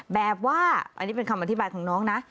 แบบว่าอันนี้เป็นคำอธิบายของน้องนะ